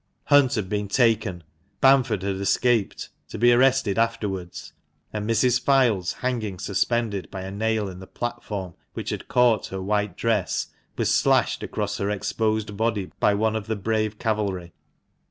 Hunt had been taken, Bamford had escaped — to be arrested afterwards — and Mrs. Fildes, hanging suspended by a nail in the platform which had caught her white dress, was slashed across her exposed body by one of the brave cavalry.